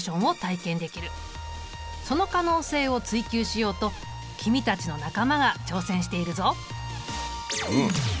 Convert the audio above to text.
その可能性を追究しようと君たちの仲間が挑戦しているぞ。